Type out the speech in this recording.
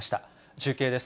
中継です。